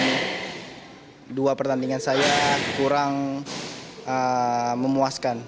dan dua pertandingan saya kurang memuaskan